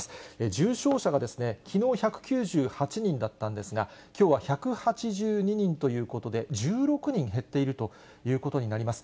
重症者が、きのう１９８人だったんですが、きょうは１８２人ということで、１６人減っているということになります。